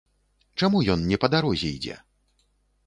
Чаму ён не па дарозе ідзе?